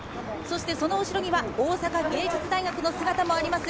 その後ろには大阪芸術大学の姿もあります。